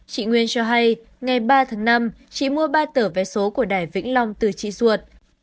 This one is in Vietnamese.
chị nguyên cho hay ngày ba tháng năm chị mua ba tờ vé số của đài vĩnh long từ chị ruột